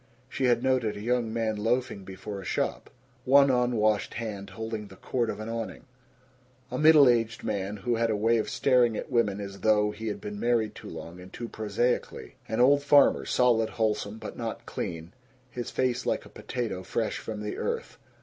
She had noted a young man loafing before a shop, one unwashed hand holding the cord of an awning; a middle aged man who had a way of staring at women as though he had been married too long and too prosaically; an old farmer, solid, wholesome, but not clean his face like a potato fresh from the earth.